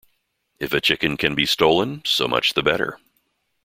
If a chicken can be stolen, so much the better.